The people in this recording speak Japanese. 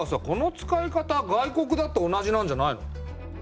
この使い方外国だって同じなんじゃないの？